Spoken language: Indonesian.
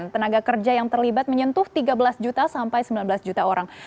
tenaga kerja yang terlibat menyentuh tiga belas juta sampai sembilan belas juta orang